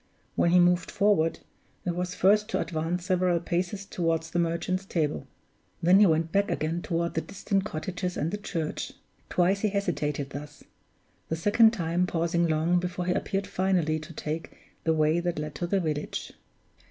When he moved forward, it was first to advance several paces toward the Merchant's Table; then he went back again toward the distant cottages and the church. Twice he hesitated thus; the second time pausing long before he appeared finally to take the way that led to the village.